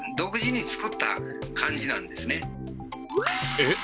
えっ？